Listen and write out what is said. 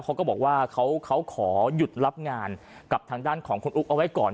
เขาก็บอกว่าเขาขอหยุดรับงานกับทางด้านของคุณอุ๊กเอาไว้ก่อน